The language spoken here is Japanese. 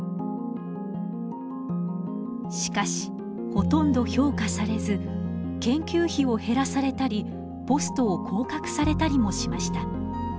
しかしほとんど評価されず研究費を減らされたりポストを降格されたりもしました。